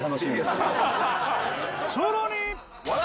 さらに！